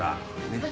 ねっ。